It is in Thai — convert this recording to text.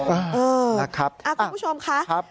เออคุณผู้ชมคะ